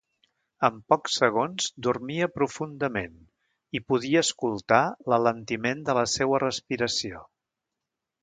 En pocs segons, dormia profundament i podia escoltar l'alentiment de la seua respiració.